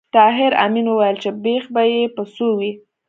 طاهر آمین وویل چې بېخ به یې په څو وي